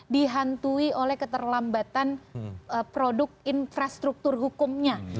dihantui oleh keterlambatan produk infrastruktur hukumnya